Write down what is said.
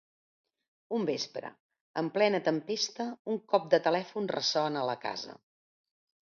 Un vespre, en plena tempesta, un cop de telèfon ressona a la casa.